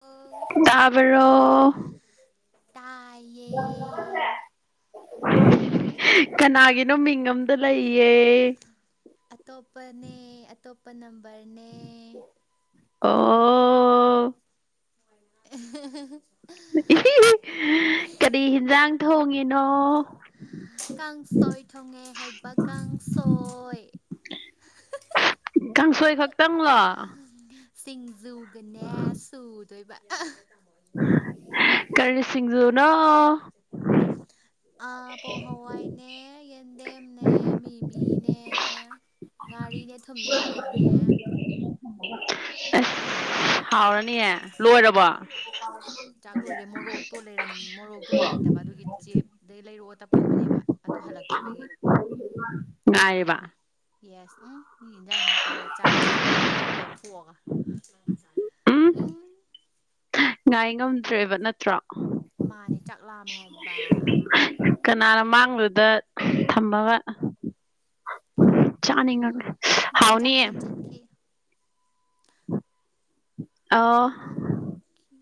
ꯑꯣ ꯇꯕꯔꯣ ꯇꯥꯏ ꯁꯦ ꯀꯅꯥꯒꯤꯅꯣ ꯃꯤꯡ ꯑꯝꯗ ꯂꯩꯌꯦ ꯑꯇꯣꯞꯄꯅꯦ ꯑꯇꯣꯞꯄ ꯅꯝꯕꯔꯅꯦ ꯑ [unintelligible] ꯀꯔꯤ ꯌꯦꯟꯖꯥꯡ ꯊꯣꯡꯉꯤꯅꯣ ꯀꯥꯡꯁꯣꯏ ꯊꯣꯡꯉꯦ ꯍꯥꯏꯕ ꯀꯥꯡꯁꯣꯏ ꯀꯥꯡꯁꯣꯏ ꯈꯛꯇꯪꯪꯂꯣ ꯁꯤꯡꯖꯨꯒꯅꯦ ꯁꯨꯗꯣꯏꯕ ꯇꯥꯃꯣ ꯑꯩꯁꯨ ꯀꯩꯅꯣ ꯇꯧꯋꯦ ꯀꯔꯤ ꯁꯤꯡꯖꯨꯅꯣ ꯀꯅꯥꯎꯗ ꯂꯅꯦ ꯆꯠꯄꯤꯔꯣ ꯑꯥ ꯄꯣꯡ ꯍꯋꯥꯏꯅꯦ ꯌꯦꯟꯗꯦꯝꯅꯦ ꯃꯤꯃꯤꯅꯦ ꯉꯥꯔꯤꯅꯦ ꯊꯨꯝꯅꯦ ꯃꯣꯔꯣꯛꯅꯦ ꯑꯁ ꯍꯥꯎꯔꯅꯤꯍ ꯂꯣꯏꯔꯕꯣ ꯆꯥꯛ ꯂꯣꯏꯔꯦ ꯃꯣꯔꯣꯛꯇꯣ ꯂꯩꯔꯝ ꯃꯣꯔꯣꯛꯇꯣ ꯂꯩꯇꯕ ꯑꯗꯨꯒꯤ ꯆꯦꯞꯗꯩ ꯂꯩꯔꯛꯑꯣ ꯇꯞꯈꯤꯕꯅꯦꯕ ꯑꯗꯨ ꯍꯜꯂꯛꯇ꯭ꯔꯤꯕꯒꯤ ꯉꯥꯏꯔꯤꯕ ꯉꯥꯏꯔꯤ ꯌꯦꯁ ꯎꯝ ꯃꯤ ꯏꯟꯖꯥꯡ ꯍꯥꯞꯄꯒ ꯆꯥꯔꯤꯖꯤ ꯌꯦꯡ ꯊꯣꯛꯑꯒ [unintelligible] ꯎꯝ ꯉꯥꯏ ꯉꯝꯗ꯭ꯔꯦꯕ ꯅꯠꯇ꯭ꯔꯣ ꯃꯥꯅꯦ ꯆꯥꯛ ꯂꯥꯝꯃꯦ ꯍꯥꯏꯕ ꯀꯅꯥꯅ ꯃꯥꯡꯗꯨꯗ ꯊꯝꯃꯒ ꯆꯥꯅꯤꯡꯉ ꯎꯝ ꯃꯥ ꯏꯟꯖꯥꯡ ꯍꯥꯎꯅꯤꯌꯦ [unintelligible] ꯑꯣ ꯃꯥꯈꯤ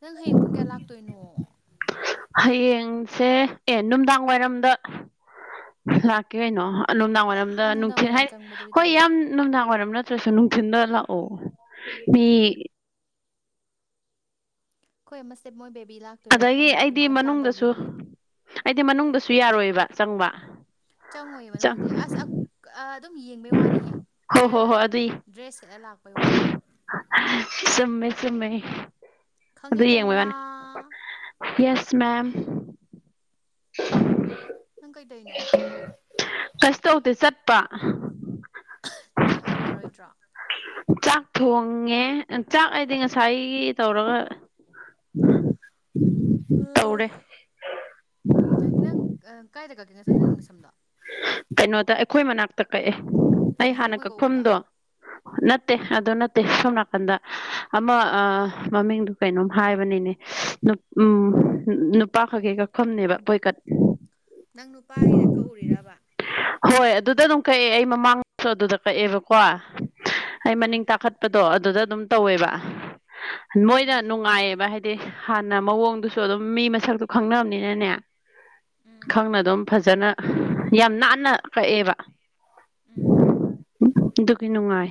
ꯅꯪ ꯍꯌꯦꯡ ꯄꯨꯡ ꯀꯌꯥ ꯂꯥꯛꯇꯣꯏꯅꯣ ꯍꯌꯦꯡꯁꯦ ꯑꯦ ꯅꯨꯡꯗꯥꯡ ꯋꯥꯏꯔꯝꯗ ꯂꯥꯛꯀꯦ ꯀꯩꯅꯣ ꯅꯨꯡꯗꯥꯡ ꯋꯥꯏꯔꯝꯗ ꯌꯥꯝ ꯅꯨꯡꯗꯥꯡ ꯅꯨꯡꯊꯤꯜ ꯋꯥꯏꯔꯝ ꯍꯥꯏ ꯆꯪꯕꯗꯨꯗꯤ ꯍꯣꯏ ꯇꯜꯂꯦ ꯌꯥꯝ ꯅꯨꯡꯗꯥꯡ ꯋꯥꯏꯔꯝ ꯅꯠꯇ꯭ꯔꯁꯨ ꯅꯨꯡꯊꯤꯟꯗ ꯂꯥꯛꯑꯣ ꯃꯤ ꯈ‌ꯣꯏ ꯃꯁꯦꯞ ꯃꯣꯏ ꯕꯦꯕꯤ ꯂꯥꯛꯇꯣꯏꯔꯥ ꯑꯗꯒꯤ ꯈꯪꯗꯦ ꯑꯩꯗꯤ ꯑꯗꯨꯃꯥꯏꯅ ꯄ꯭ꯂꯥꯟ ꯃꯅꯨꯡꯗꯁꯨ ꯇꯧꯈꯤꯕꯅꯦ ꯑꯩꯗꯤ ꯃꯅꯨꯡꯗꯁꯨ ꯌꯥꯔꯣꯏꯕ ꯆꯪꯕ ꯆꯪ ꯑ ꯑꯗꯨꯝ ꯌꯦꯡꯕꯩ ꯋꯥꯅꯤꯍꯦ ꯍꯣꯏ ꯈꯔ ꯍꯣꯏ ꯍꯣꯏ ꯑꯗꯨꯏ ꯗ꯭ꯔꯦꯁ ꯁꯦꯠꯂ ꯂꯥꯛꯄꯩ ꯋꯥꯅꯤ꯫ ꯆꯨꯝꯃꯦ ꯆꯨꯝꯃꯦ ꯑꯗꯨ ꯌꯦꯡꯕꯩ ꯈꯪꯉꯦꯗꯅ ꯋꯥꯅꯦ꯫ ꯌꯦꯁ ꯃꯦꯝ꯫ [unintelligible] ꯅꯪ ꯀꯩꯗꯧꯏꯅꯣ꯫ ꯀꯩꯁꯨ ꯇꯧꯗꯦ ꯆꯠꯄ꯫ ꯆꯥꯛ ꯊꯣꯡꯉꯔꯣꯏꯗ꯭ꯔꯣ꯫ ꯆꯥꯛ ꯊꯣꯡꯉꯦ ꯆꯥꯛ ꯍꯥꯏꯗꯤ ꯉꯁꯥꯏꯒꯤ ꯇꯧꯔꯒ [unintelligible] ꯇꯧꯔ‌ꯦ ꯎꯝ ꯉꯥꯏꯈꯨꯌꯪ ꯑ ꯀꯥꯏꯗ ꯀꯛꯒꯦ ꯉꯁꯥꯏ ꯅꯪ ꯅꯁꯝꯗꯣ ꯀꯩꯅꯣꯗ ꯑꯩꯈꯣꯏ ꯃꯅꯥꯛꯇ ꯀꯛꯑꯦ ꯑꯩ ꯅꯍꯥꯟꯃꯨꯛ ꯍꯥꯟꯅ ꯑꯩꯈꯣꯏ ꯀꯛꯎꯕꯗꯣ ꯀꯛꯐꯝꯗꯣ [inaudible] ꯅꯠꯇꯦ ꯑꯗꯨ ꯅꯠꯇꯦ ꯁꯣꯝ ꯅꯥꯀꯟꯗ ꯑꯃ ꯑꯥ ꯃꯃꯤꯡꯗꯨ ꯀꯩꯅꯣꯝ ꯍꯥꯏꯕꯅꯤꯅꯦ ꯅꯨ ꯎꯝ ꯅꯨꯄꯥ ꯈꯛꯀꯤ ꯀꯛꯐꯝꯅꯦꯕ ꯕꯣꯏꯀꯠ ꯅꯪ ꯅꯨꯄꯥꯒꯤꯗ ꯀꯛ ꯎꯔꯤꯔꯕ ꯍꯣꯏ ꯑꯗꯨꯗ ꯑꯗꯨꯝ ꯀꯛꯑꯦ ꯑꯩ ꯃꯃꯥꯡꯁꯨ ꯑꯗꯨꯗ ꯀꯛꯑꯦꯕꯀꯣ ꯑꯩ ꯎꯝ ꯃꯅꯤꯡ ꯇꯥꯈꯠ ꯑꯗꯣ ꯑꯗꯨꯗ ꯑꯗꯨꯝ ꯇꯧꯋꯦꯕ ꯃꯣꯏꯅ ꯎꯝ ꯅꯨꯡꯉꯥꯏꯌꯦꯕ ꯍꯥꯏꯗꯤ꯫ ꯍꯥꯟꯅ ꯃꯑꯣꯡꯗꯨꯁꯨ ꯑꯗꯨꯝ ꯃꯤ ꯃꯁꯛꯇꯨ ꯈꯪꯅꯕꯝꯅꯤꯅꯅꯦ꯫ ꯎꯝ ꯈꯪꯅ ꯑꯗꯨꯝ ꯐꯖꯅ ꯌꯥꯝ ꯅꯥꯟꯅ ꯀꯛꯑꯦꯕ꯫ ꯎꯝ ꯑꯗꯨꯒꯤ ꯅꯨꯡꯉꯥꯏ꯫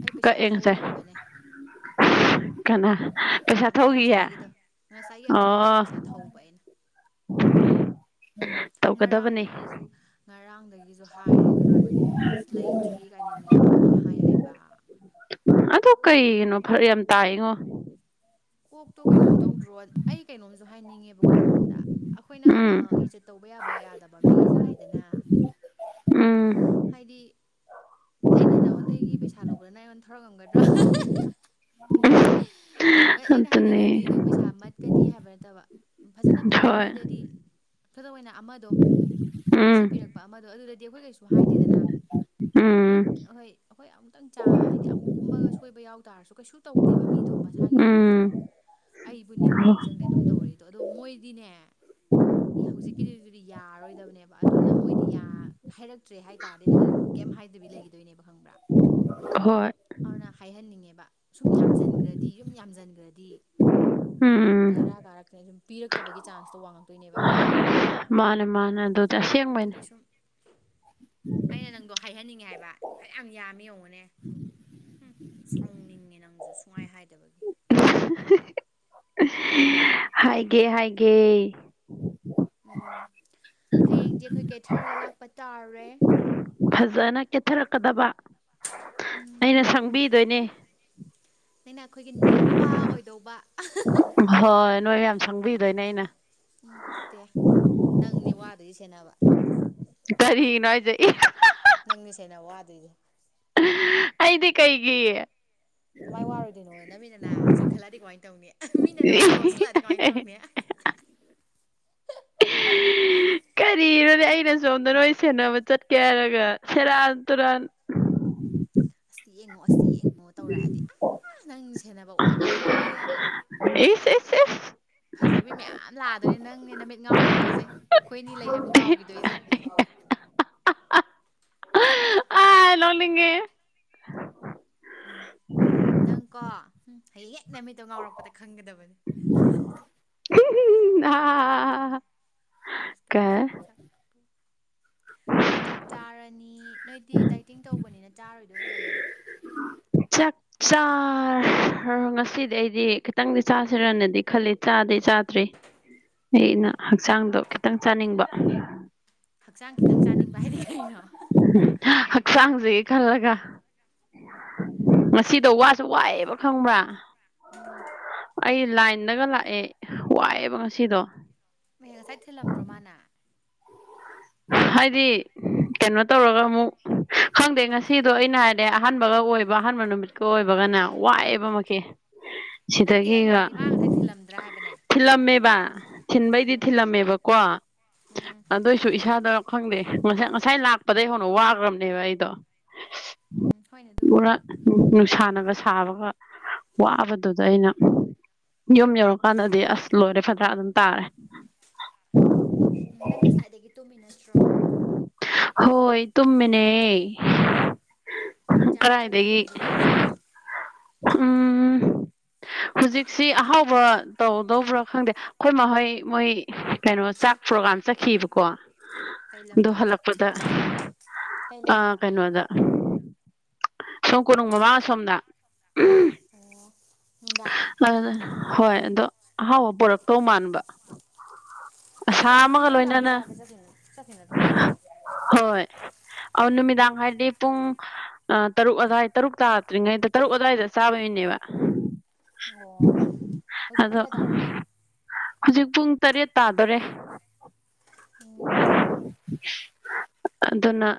ꯑꯩ ꯄꯩꯁꯥ ꯀꯛꯑꯦ ꯉꯁꯥꯏ ꯊꯧꯈꯤꯕꯅꯦ ꯀꯅꯥ꯫ ꯄꯩꯁꯥ ꯑꯃ ꯊꯧꯈꯤꯌꯦ ꯉꯁꯥꯏꯒꯤꯗꯣ ꯉꯁꯥꯏꯒꯤ ꯑꯃꯗꯣ ꯑꯗꯨꯒꯤ ꯑꯣ ꯄꯩꯁꯥ ꯊꯧꯕ ꯑꯩꯅ꯫ ꯇꯧꯒꯗꯕꯅꯤ ꯉꯔꯥꯡꯗꯒꯤꯖꯨ꯫ ꯉꯔꯥꯡꯗꯒꯤꯖꯨ ꯍꯥꯏꯔꯦ ꯑꯗꯨꯒꯅꯦ ꯑꯁ ꯂꯩꯇ꯭ꯔꯤ ꯀꯥꯏꯅ ꯌꯥꯝ ꯌꯥꯡꯅ ꯍꯥꯏ ꯍꯥꯏꯕ꯫ ꯑꯗꯨ ꯀꯩꯒꯤꯅꯣ ꯐꯔꯛ ꯌꯥꯝ ꯇꯥꯏꯉꯣ꯫ ꯀꯣꯛꯇꯣ ꯀꯩꯅꯣꯝ ꯇꯧꯗ꯭ꯔꯣ ꯑꯩ ꯀꯩꯅꯣꯝꯁꯨ ꯍꯥꯏꯅꯤꯡꯉꯦꯕꯀꯣ ꯅꯉꯣꯟꯗ ꯑꯩꯈꯣꯏꯅ ꯑ ꯎꯝ ꯏꯖꯠ꯫ ꯇꯧꯕ ꯌꯥꯕ ꯌꯥꯗꯕ ꯃꯤꯖꯨ ꯂꯩꯗꯅ꯫ ꯎꯝ ꯍꯥꯏꯗꯤ ꯑꯩꯅ ꯅꯉꯣꯟꯗꯒꯤ ꯄꯩꯁꯥ ꯂꯧꯕꯗ ꯅꯪ ꯑꯩꯉꯣꯟꯗ ꯊꯧꯔꯛ ꯉꯝꯒꯗ꯭ꯔꯣ꯫ [unintelligible] ꯑꯣꯏ ꯑꯩꯅ ꯑꯗꯨꯅꯦ ꯍꯥꯏꯅꯤꯡꯉꯤꯗꯤ ꯅꯪ ꯄꯩꯁꯥ ꯃꯠꯀꯅꯤ ꯍꯥꯏꯕ ꯅꯠꯇꯕ꯫ ꯐꯖꯅ ꯄꯤꯕ ꯍꯣꯏ ꯃꯤꯗꯗꯤ ꯈꯨꯗꯝ ꯑꯣꯏꯅ ꯑꯃꯗꯣ ꯉꯁꯤ ꯎꯝ ꯄꯤꯔꯛꯄ ꯑꯃꯗꯣ ꯑꯗꯨꯗ ꯗꯤ ꯑꯩꯈꯣꯏ ꯀꯩꯁꯨ ꯍꯥꯏꯗꯦꯗꯅ ꯃꯤ ꯎꯝ ꯑꯍꯣꯏ꯫ ꯑꯩꯈꯣꯏ ꯑꯃꯨꯛꯇꯪ ꯆꯥ ꯍꯥꯏꯗꯤ ꯑꯃꯨꯛ ꯀꯨꯝꯕꯒ ꯁꯣꯏꯕ ꯌꯥꯎ ꯇꯥꯔꯁꯨ ꯀꯩꯁꯨ ꯇꯧꯗꯦꯕ ꯃꯤꯗꯣ ꯃ ꯁꯥꯒꯤ ꯎꯝ ꯃꯊꯪ ꯑꯩꯕꯨ ꯅꯤꯡꯕꯨ ꯅꯤꯡꯖꯪꯗꯦ ꯑꯗꯨꯝ ꯇꯧꯔꯛꯏꯗꯣ ꯑꯗꯣ ꯃꯣꯏꯗꯤꯅꯦ꯫ ꯍꯧꯖꯤꯛꯀꯤꯗꯤꯗꯨꯗꯤ ꯌꯥꯔꯣꯏꯗꯕꯅꯦꯕ ꯑꯗꯨꯅ ꯃꯣꯏꯗꯤ ꯌꯥ ꯍꯥꯏꯔꯛ꯫ ꯇꯔꯦ ꯍꯥꯏꯇꯥꯔꯗꯤ ꯑꯗꯨꯝ ꯀꯩꯝ ꯍꯥꯏꯗꯕꯤ ꯂꯩꯒꯤꯗꯣꯏꯅꯦꯕ ꯈꯪꯕ꯭ꯔꯥ ꯍꯣꯏ ꯑꯗꯨꯅ ꯍꯥꯏꯍꯟꯅꯤꯡꯉꯦꯕ ꯁꯨꯝ ꯌꯥꯝꯖꯟꯒ꯭ꯔꯗꯤ ꯌꯨꯝ ꯌꯥꯝꯖꯟꯒ꯭ꯔꯗꯤ ꯎꯝ ꯕꯦꯔꯥ ꯀꯥꯔꯛꯇꯣꯏꯅꯤ ꯄꯤꯔꯛꯇꯕꯒꯤ ꯆꯥꯟꯁꯇꯣ ꯋꯥꯡꯉꯛ ꯇꯣꯏꯅꯦꯕ ꯃꯥꯅꯦ ꯃꯥꯅꯦ ꯑꯗꯨꯗꯤ ꯑꯁꯦꯡꯕꯩꯅꯦ ꯑꯗꯨꯒꯤ ꯁꯨꯝ ꯑꯩꯅ ꯅꯪꯗꯣ ꯍꯥꯏꯍꯟꯅꯤꯡꯉꯦ ꯍꯥꯏꯕ ꯐꯅꯌꯥꯝ ꯌꯥꯝꯃꯦ ꯌꯦꯡꯉꯨꯅꯦ ꯍꯨꯝ ꯁꯥꯎꯅꯤꯡꯉꯦ ꯅꯪꯁꯨ ꯁꯨꯡꯉꯥꯏ ꯍꯥꯏꯗꯕꯒꯤ ꯍꯥꯏꯒꯦ ꯍꯥꯏꯒꯦ ꯎꯝ ꯍꯌꯦꯡꯗꯤ ꯑꯩꯈꯣꯏ ꯀꯦꯊꯔꯒ ꯂꯥꯛꯄ ꯇꯥꯔꯦ ꯐꯖꯅ ꯀꯦꯠꯊꯔꯛꯀꯗꯕ ꯑꯩꯅ ꯁꯪꯕꯤꯗꯣꯏꯅꯦ [unintelligible] ꯅꯩꯅ ꯑꯩꯈꯣꯏꯒꯤ ꯅꯨꯄꯥ ꯑꯣꯏꯗꯧꯕ ꯍꯣꯏ ꯅꯣꯏ ꯌꯥꯝ ꯁꯪꯕꯤꯗꯣꯏꯅꯦ ꯑꯩꯅ ꯎꯝ ꯄꯛꯇꯦ ꯅꯪꯅꯦ ꯋꯥꯗꯣꯏꯁꯦ ꯁꯦꯟꯅꯕ ꯀꯔꯤꯅꯣ ꯍꯥꯏꯁꯦ ꯅꯪꯅꯤꯁꯦꯟꯅ ꯋꯥꯗꫭꯏꯖꯦ ꯑꯩꯗꯤ ꯀꯩꯒꯤ ꯀꯃꯥꯏꯅ ꯋꯥꯔꯣꯏꯗꯣꯏꯅꯣ ꯅ ꯃꯤꯠꯅꯅ ꯆꯣꯏꯈꯠꯂꯛꯗꯤ ꯀꯃꯥꯏꯅ ꯇꯧꯅꯤ ꯃꯤꯅ ꯅꫭꯟꯗ ꯉꯥꯎꯁꯤꯜꯂꯛꯑꯗꯤ ꯀꯃꯥꯏ ꯇꯧꯅꯤ ꯀꯔꯤꯔꯣꯅꯦ ꯑꯩꯅ ꯁꯣꯝꯗ ꯅꯣꯏ ꯁꯦꯟꯅꯕ ꯆꯠꯀꯦ ꯍꯥꯏꯔꯒ ꯁꯦꯔꯥꯟ ꯇꯨꯔꯥꯟ ꯑꯁꯤ ꯌꯦꯡꯉꯣ ꯑꯁꯤ ꯌꯦꯡꯉꯣ ꯇꯧꯔꯛꯑꯗꯤ ꯅꯪ ꯁꯦꯟꯅꯕ ꯋꯥꯅꯤꯕꯣ ꯍꯌꯦꯡ ꯏꯁ ꯏꯁ ꯏꯁ ꯐꯖꯕꯤ ꯃꯌꯥꯝ ꯂꯥꯛꯑꯗꯣꯏꯅꯦ ꯅꯪꯅꯦ ꯅꯨꯃꯤꯠ ꯉꯥꯎꯒꯤꯗꯣꯏꯁꯦ ꯑꯩꯈꯣꯏ ꯑꯅꯤ ꯂꯩ ꯍꯥꯏꯕ ꯀꯥꯎꯒꯤꯗꯣꯏꯁꯦ ꯅꫭꯛꯅꯤꯡꯉꯦ ꯎꯝ ꯅꯪ ꯀꯣ ꯍꯝ ꯍꯌꯦꯡ ꯍꯦꯛ ꯅꯨꯃꯤꯠꯇꯣ ꯉꯥꯎꯔꯛꯄꯗ ꯈꯪꯒꯗꯕꯅꯤ ꯑꯩ ꯐꯣꯝ ꯊꯥꯖꯤꯟꯗꯣꯏꯅꯦ ꯑꯥ ꯔꯤꯜꯁꯇ ꯀ ꯍꯧꯖꯤꯛ ꯆꯥꯛ ꯑꯩꯈꯣꯏ ꯆꯥꯛ ꯆꯥꯔꯅꯤ ꯅꯣꯏꯗꯤ ꯗꯥꯏꯇꯤꯡ ꯇꯧꯕꯅꯤꯅ ꯆꯥꯔꯣꯏꯗꯣꯏ ꯑꯣꯏꯔꯝꯅꯤ ꯆꯥꯔꯦ ꯉꯁꯤꯗꯤ ꯑꯩꯗꯤ ꯈꯤꯇꯪꯗꯤ ꯆꯥꯁꯤꯔꯅꯗꯤ ꯈꯜꯂꯤ ꯆꯥꯗꯤ ꯆꯥꯗ꯭ꯔꯤ ꯑꯩꯅ ꯍꯛꯆꯥꯡꯗꯣ ꯈꯤꯇꯪ ꯆꯥꯅꯤꯡꯕ ꯍꯛꯆꯥꯡ ꯈꯤꯇꯪ ꯆꯥꯅꯤꯡꯕ ꯍꯥꯏꯗꯤ ꯀꯩꯅꯣ ꯍꯛꯆꯥꯡꯖꯤꯒꯤ ꯈꯜꯂꯒ ꯉꯁꯤꯗꯣ ꯎꯝ ꯋꯥꯁꯨ ꯋꯥꯏꯑꯦꯕ ꯈꯪꯕ꯭ꯔꯥ ꯎꯝ ꯑꯩ ꯂꯥꯏꯟꯗꯒ ꯂꯥꯛꯑꯦ ꯋꯥꯏꯌꯦꯕ ꯉꯁꯤꯗꯣ ꯃꯍꯦ ꯉꯁꯥꯏ ꯊꯤꯜꯂꯝꯗ꯭ꯔꯣ ꯃꯥꯅ ꯍꯥꯏꯗꯤ ꯀꯩꯅꯣ ꯇꯧꯔꯒ ꯑꯃꯨꯛ ꯈꯪꯗꯦ ꯉꯁꯤꯗꯣ ꯑꯩꯅ ꯍꯥꯏꯔ ꯑꯩ ꯑꯍꯥꯟꯕꯒ ꯑꯣꯏꯕ ꯑꯍꯥꯟꯕ ꯅꯨꯃꯤꯠꯀ ꯑꯣꯏꯕꯒꯅ ꯋꯥꯏꯑꯦꯕ ꯃꯈꯦ ꯅꯠꯇꯦ ꯑꯩꯅ ꯁꯤꯗꯒꯤꯒ ꯍꯥꯏꯗꯤ ꯃꯥ ꯉꯁꯥꯏ ꯊꯤꯜꯂꯝꯗ꯭ꯔꯥ ꯍꯥꯏꯕꯅꯦ ꯊꯤꯜꯂꯝꯃꯦꯕ ꯊꯤꯟꯕꯩꯗꯤ ꯎꯝ ꯊꯤꯜꯂꯝꯃꯦꯕꯀꯣ ꯎꯝ ꯑꯗꯨꯏꯁꯨ ꯏꯁꯥꯗ ꯈꯪꯗꯦ ꯉꯁꯥꯏ ꯉꯁꯥꯏ ꯂꯥꯛꯄꯗꯩ ꯍꯧꯅ ꯋꯥꯈ꯭ꯔꯕꯅꯦꯕ ꯑꯩꯗꯣ ꯎꯝ ꯍꯣꯏꯅꯦ ꯑꯗꯨꯕꯨꯗꯤ ꯅꯨꯡꯁꯥꯅꯕ ꯁꯥꯕꯒ ꯋꯥꯕꯗꯨꯗ ꯑꯩꯅ ꯌꯨꯝ ꯌꯧꯔꯀꯥꯟꯗꯗꯤ ꯑꯁ ꯂꯣꯏꯔꯦ ꯐꯠꯗꯔꯥꯛ ꯑꯗꯨꯝ ꯇꯥꯔꯦ ꯎꯝ ꯅꯪ ꯉꯁꯥꯏꯗꯒꯤ ꯇꯨꯝꯃꯤ ꯅꯠꯇ꯭ꯔꯣ ꯍꯣꯏ ꯇꯨꯝꯃꯤꯅꯦ ꯀꯩ ꯌꯦꯟꯖꯥꯡ ꯆꯧ ꯀꯗꯥꯏꯗꯒꯤ ꯊꯣꯡꯒꯦꯅꯣ ꯍꯧꯖꯤꯛ ꯎꯝ ꯍꯧꯖꯤꯛꯁꯤ ꯑꯍꯥꯎꯕ ꯇꯧꯗꯧꯕ꯭ꯔꯥ ꯈꯪꯗꯦ ꯑꯩꯈꯣꯏ ꯃꯈꯣꯏ ꯃꯣꯏ ꯀꯩꯅꯣ ꯆꯥꯛ ꯄ꯭ꯔꯣꯒꯥꯝ ꯆꯠꯈꯤꯕꯀꯣ ꯀꯩ ꯑꯗꯨ ꯂꯝꯗ ꯍꯜꯂꯛꯄꯗ ꯀꯩ ꯑ ꯂꯝꯗ ꯀꯩꯅꯣꯗ ꯁꯣꯝ ꯀꯣꯅꯨꯡ ꯃꯃꯥꯡ ꯑꯁꯣꯝꯗ ꯑꯣ ꯅꯨꯡꯗꯥꯡ ꯍꯣꯏ ꯑꯗꯣ ꯑꯍꯥꯎꯕ ꯄꯣꯔꯛꯇꯧ ꯃꯥꯟꯕ ꯑꯁꯥ ꯑꯦ ꯍꯧꯖꯤꯛ ꯑꯃꯒ ꯅꯨꯡꯗꯥꯡ ꯂꯣꯏꯅꯅ ꯆꯥꯕ ꯆꯠꯈꯤ ꯆꯠꯈꯤꯅ ꯇꯣ ꯅꯨꯡꯗꯥꯡ ꯍꯣꯏ ꯑ ꯅꯨꯃꯤꯗꯥꯡ ꯍꯥꯏꯔꯗꯤ ꯄꯨꯡ ꯑ ꯇꯔꯨꯛ ꯑꯋꯥꯏ ꯇꯔꯨꯛ ꯇꯥꯔꯛꯇ꯭ꯔꯤꯉꯩꯗ ꯇꯔꯨꯛ ꯑꯗꯨꯋꯥꯏꯗ ꯆꯥꯕꯒꯤꯅꯦꯕ ꯑꯣ ꯍꯧꯖꯤꯛ ꯑꯗꯣ ꯄꯨꯡ ꯀꯌꯥ ꯇꯥꯔꯒꯦ ꯍꯧꯖꯤꯛ ꯄꯨꯡ ꯇꯔꯦꯠ ꯇꯥꯗꯣꯔꯦ ꯎꯝ ꯑꯗꯨꯅ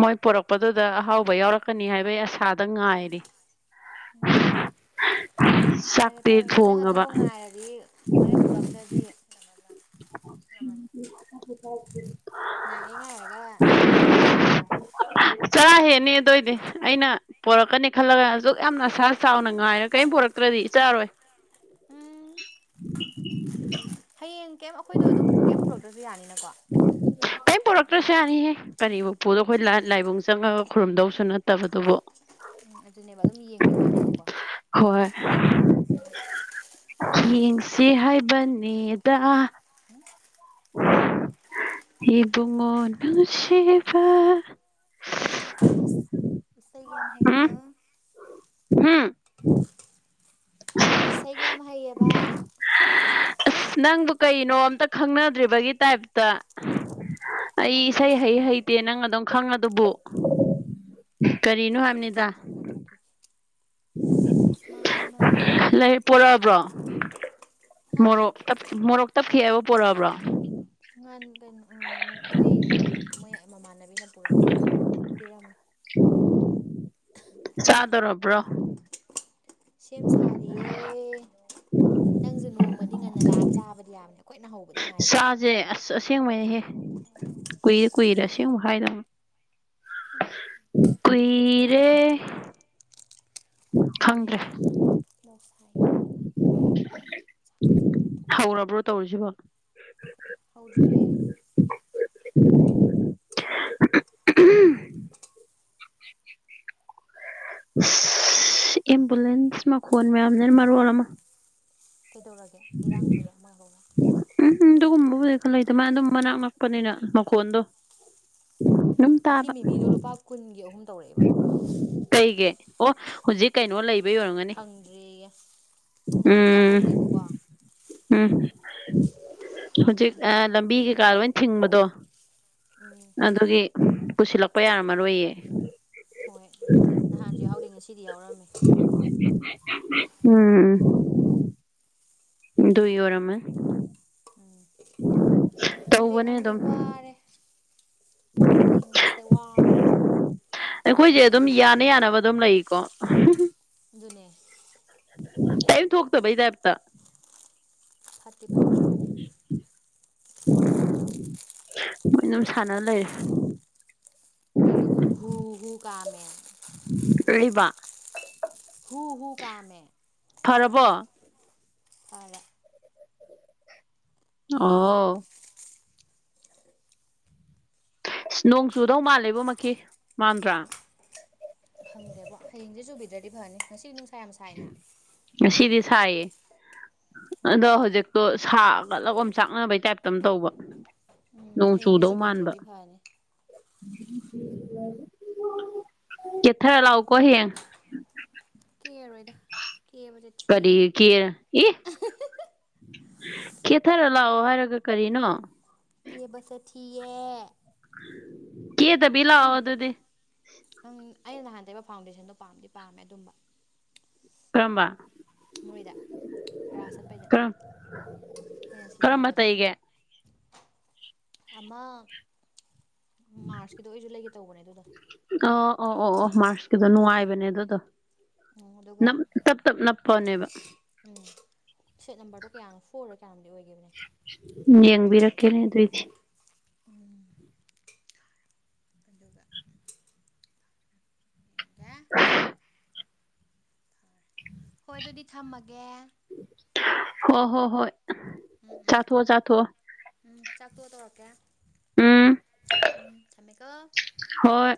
ꯃꯣꯏ ꯄꯣꯔꯛꯄꯗꯨꯗ ꯑꯍꯥꯎꯕ ꯌꯥꯎꯔꯛꯀꯅꯤ ꯍꯥꯏꯕꯒꯤ ꯑꯁꯥꯗ ꯉꯥꯏꯔꯤ ꯎꯝ ꯐꯔꯦ ꯆꯥꯛꯇꯤ ꯐꯔꯦ ꯅꯪ ꯑꯗꯨꯕꯨ ꯊꯣꯡꯉꯕ ꯉꯥꯏꯔꯗꯤ ꯍꯣꯔ ꯄꯨꯔꯛꯇ꯭ꯔꯗꯤ ꯍꯝꯦ ꯉ ꯉꯔꯒ ꯆꯥ ꯍꯦꯅꯦ ꯑꯗꯨꯑꯣ ꯑꯣꯏꯗꯤ ꯑꯩꯅ ꯄꯣꯔꯛꯀꯅꯤ ꯈꯜꯂꯒ ꯑꯁꯨꯛ ꯌꯥꯝ ꯅꯁꯥ ꯆꯥꯎꯅ ꯉꯥꯏꯔ ꯀꯔꯤꯝ ꯄꯣꯔꯔꯛꯇ꯭ꯔꯗꯤ ꯏ ꯆꯥꯔꯣꯏ ꯎꯝ ꯍꯌꯦꯡ ꯀꯩꯝ ꯑꯩꯈꯣꯏꯗꯣ ꯑꯗꯨꯝ ꯄꯨꯀꯩꯝ ꯄꯨꯔꯛꯇ꯭ꯔꯁꯨ ꯌꯥꯅꯤꯅꯀꯣ ꯀꯔꯤꯝ ꯄꯨꯔꯛꯇ꯭ꯔꯁꯨ ꯌꯥꯅꯤꯍꯦ ꯀꯔꯤꯕꯨ ꯄꯨꯗꯣ ꯑꯩꯈꯣꯏ ꯂꯥꯏꯕꯨꯡ ꯆꯪꯉꯒ ꯈꯨꯔꯨꯝꯗꯧꯁꯨ ꯅꯠꯇꯕꯗꯨꯕꯨ ꯎꯝ ꯑꯗꯨꯅꯦꯕ ꯑꯗꯨꯝ ꯌꯦꯡꯕꯩ ꯋꯥꯅꯦꯕꯀꯣ ꯍꯣꯏ ꯎꯝ ꯌꯦꯡꯁꯤ ꯍꯥꯏꯕꯅꯦꯗ [inaudible] ꯏꯕꯨꯡꯁꯕ ꯁ ꯌꯥꯝ ꯍꯥꯏꯦꯛꯀ ꯍꯥꯝ ꯏꯁꯩꯒꯤꯌꯥꯃ ꯍꯥꯏꯩꯌꯦꯕ ꯑꯁ ꯅꯪꯕꯨ ꯀꯩꯅꯣ ꯑꯝꯇ ꯈꯪꯅꯗ꯭ꯔꯤꯕꯒꯤ ꯇꯥꯏꯞꯇ ꯑꯩ ꯈꯪꯉꯦ ꯁꯩ ꯁꯤ ꯍꯩ ꯍꯩ ꯇꯦ ꯅꯪ ꯑꯗꯨꯝ ꯈꯪꯉ ꯑꯗꯨꯕꯨ ꯀꯔꯤꯅꯣ ꯍꯥꯏ ꯆ ꯆꯝ ꯀ ꯊꯣꯛꯀꯤ ꯂꯩ ꯄꯣꯔꯛꯑꯕ꯭ꯔꯣ ꯍꯥ ꯃꯣꯔꯣꯛ ꯞ ꯃꯣꯔꯣꯛ ꯇꯞꯈꯤꯤ ꯍꯥꯏꯕ ꯄꯣꯔꯛꯑꯕ꯭ꯔꯣ ꯥꯟ ꯀꯩꯅꯣ ꯃꯣꯏ ꯃꯣꯏ ꯃꯃꯥꯟꯅꯕꯤꯅ ꯄꯨꯔꯛꯑꯦ ꯄꯤꯔꯝꯃꯦ ꯆꯗꯔꯕ꯭ꯔꯣ ꯁꯦꯝ ꯁꯥꯔꯤꯌꯦ ꯅꯪꯁꯨ ꯅꯣꯡꯃꯗꯤ ꯉꯟꯅ ꯂꯥꯛꯑ ꯆꯥꯕꯗꯤ ꯌꯥꯕꯅꯦꯀꯣ ꯆꯁꯦ ꯑꯁ ꯑꯁꯦꯡꯕꯅꯍꯦ ꯀꯨꯏꯔꯦ ꯀꯨꯏꯔꯦ ꯈꯪꯉꯦ ꯑꯁꯦꯡꯕ ꯍꯥꯏꯗꯧꯅꯦ ꯀꯨꯏꯔꯦ ꯑꯗꯨꯅꯦ ꯈꯪꯗ꯭ꯔꯦ ꯁꯥꯏꯌꯦ [inaudible] ꯍꯌꯦꯡꯇ ꯂꯧꯊꯣꯛ꯭ꯔꯗꯤ ꯌꯥꯔꯣꯏꯌꯦ [inaudible] ꯍꯥꯎꯗ꯭ꯔꯤꯌꯦꯦ ꯑ ꯑꯦꯝꯕꯨꯂꯦꯟꯁ ꯃꯈꯣꯟ ꯃꯌꯥꯝꯅꯦꯅ ꯃꯔꯣ ꯑꯃ ꯀꯩꯗꯧꯔꯒꯦ ꯏꯔꯥꯡ ꯊꯣꯏꯔꯛ ꯑꯃ ꯍꯧꯔꯒ ꯎꯝ ꯑꯗꯨꯒꯨꯝꯕꯕꯨꯗꯤ ꯈꯔ ꯂꯩꯇꯦ ꯃꯥ ꯑꯗꯨꯝ ꯃꯅꯥꯛ ꯅꯛꯄꯅꯤꯅ ꯃꯈꯣꯟꯗꯣ ꯎꯝ ꯑꯗꯨꯝ ꯃꯈ ꯇꯥꯕ ꯃꯤꯃꯤꯗꯣ ꯂꯨꯄꯥ ꯀꯨꯟꯒꯤ ꯑꯍꯨꯝ ꯇꯧꯔꯛꯑꯦꯕ ꯀꯩꯒ ꯑꯣ ꯍꯧꯖꯤꯛ ꯀꯩꯅꯣ ꯂꯩꯕ ꯌꯧꯔꯝꯒꯅꯤ ꯐꯪꯗ꯭ꯔꯦꯌꯦ ꯅꯍꯥꯟꯁꯨ ꯎꯝ ꯌꯥꯎꯍꯧꯗꯦꯕꯀꯣ ꯎꯝ ꯍꯧꯖꯤꯛ ꯑꯗꯨꯒꯤ ꯂꯝꯕꯤ ꯀꯩꯀꯥ ꯂꯣꯏ ꯊꯤꯡꯕꯗꯣ ꯎꯝ ꯑꯗꯨꯒꯤ ꯄꯨꯁꯤꯜꯂꯛꯄ ꯌꯥꯔꯝꯃꯔꯣꯏꯌꯦ ꯍꯣꯏ ꯑꯗꯨꯃꯥꯏ ꯅꯍꯥꯟꯁꯨ ꯌꯥꯎꯗꯤ ꯉꯁꯤꯗꯤ ꯌꯥꯎꯔꯝꯃꯦ ꯎꯝ ꯏ ꯑꯣꯔ ꯑꯃ ꯎꯝ ꯈꯪꯗꯦ ꯇꯧꯕꯅꯦ ꯈꯪꯗꯦ ꯑꯗꯨꯝ ꯋꯥꯔꯦ ꯍꯤꯡꯕꯁꯦ ꯋꯥꯔꯔꯣꯏ ꯑꯩꯈꯣꯏꯁꯦ ꯑꯗꯨꯝ ꯌꯥꯅ ꯌꯥꯅꯕ ꯑꯗꯨꯝ ꯂꯩꯀꯣ ꯑꯗꯨꯅꯦ ꯇꯥꯏꯝ ꯊꯣꯛꯇꯕꯩꯗ ꯑꯇ ꯐꯠꯇꯤ ꯐꯠꯇ꯭ꯔꯒꯅꯤ ꯃꯣꯏ ꯑꯗꯨꯝ ꯁꯥꯟꯅ ꯂꯩ ꯅꯪꯗꯣ ꯍꯨ ꯍꯨꯒꯥꯥꯃꯦ ꯀꯂꯤꯕ ꯍꯨ ꯍꯨ ꯀꯥ ꯃ ꯐꯔꯕꯣ ꯐꯂ ꯑꯣ ꯑ ꯅꯣꯡ ꯆꯨꯗꯧ ꯃꯥꯜꯂꯦꯕ ꯃꯈ ꯃꯥꯟꯗ꯭ꯔꯥ ꯐꯪꯗꯦꯕꯣ ꯍꯌꯦꯡꯁꯦ ꯆꯨꯕꯤꯗ꯭ꯔꯗꯤ ꯐꯅꯤ ꯉꯁꯤ ꯅꯨꯡꯁꯥ ꯌꯥꯝ ꯁꯥꯏꯅ ꯑꯁꯤꯗꯤ ꯁꯥꯏꯌꯦ ꯑꯗꯣ ꯍꯧꯖꯤꯛꯇꯣ ꯁꯥꯒꯠꯂꯒꯝ ꯆꯥꯛꯅꯕꯩ ꯇꯥꯏꯞꯇ ꯑꯃ ꯇꯧꯕ ꯎꯝ ꯅꯣꯡ ꯍꯌꯦꯡꯗꯤ ꯆꯨꯗꯧ ꯃꯥꯟꯕ ꯆꯨꯕꯤꯗ꯭ꯔꯗꯤ ꯐꯅꯤ ꯀꯦꯇꯔꯒꯥ ꯂꯛ ꯎ ꯀꯣ ꯍꯌꯦꯡ ꯀꯦꯔꯣꯏ ꯗ ꯀꯦ ꯕꯥ ꯁꯦ ꯇꯥ ꯀ ꯀ ꯏ ꯀꯦꯊꯔ ꯂꯥꯛꯑꯣ ꯍꯥꯏꯔꯒ ꯀꯔꯤꯅꯣ ꯀꯕꯁꯦ ꯊꯤꯦ ꯀꯦ ꯇꯕꯤꯂ ꯑꯗꯗꯤꯦ ꯅꯪ ꯑꯩꯅ ꯅꯍꯥꯟꯗꯩꯕ ꯐꯥꯎꯟꯗꯦꯁꯟꯗꯣ ꯄꯥꯝꯗꯤ ꯄꯥꯝꯃꯦ ꯑꯗꯨꯝꯕ ꯀꯔꯝꯕ ꯃꯣꯏꯗ ꯄꯔꯥ ꯁꯛꯄꯩꯗ ꯀꯔꯝ ꯃꯣꯏꯅ ꯀꯔꯝꯕ ꯁꯤꯖꯤꯟꯅꯕꯗꯣ ꯇꯩꯒꯦ ꯑꯃ ꯃꯥꯔꯁꯀꯤꯗꯣ ꯑꯣꯏꯁꯨ ꯂꯩꯒꯦ ꯇꯧꯕꯅꯦ ꯑꯗꯨꯗ ꯑ ꯑꯣ ꯑꯣ ꯑꯣ ꯃꯥꯔꯁꯀꯤꯗꯣ ꯅꯨꯡꯉꯥꯏꯕꯅꯦ ꯑꯗꯨꯗꯣ ꯎꯝ ꯑꯗꯨꯒ ꯅꯞ ꯇꯞ ꯇꯞ ꯅꯞꯄꯅꯦꯕ ꯎꯝ ꯁꯦꯠ ꯅꯝꯕꯔꯗꯣ ꯀꯌꯥꯅꯣ ꯐꯣꯔꯗ ꯀꯌꯥꯅꯣꯝꯗꯤ ꯑꯣꯏꯕꯅꯦ ꯌꯦꯪꯕꯤꯔꯛ ꯀꯦꯅꯦ ꯑꯗꯨꯏ ꯗ ꯎ ꯑꯗꯨꯒꯥ ꯀꯌꯥ ꯍꯣꯏ ꯑꯗꯨꯗꯤ ꯊꯝꯃꯒꯦ ꯍ ꯍꯣ ꯍꯣꯏ ꯎꯝ ꯎꯝ ꯆꯥꯊꯣꯛꯑꯣ ꯆꯥꯊꯣꯛꯑꯣ ꯎꯝ ꯆꯥꯛꯇꯣꯛꯑ ꯇꯧꯔꯛꯀꯦ ꯎꯝ ꯎꯝ ꯁꯃꯦꯀ ꯍꯣꯏ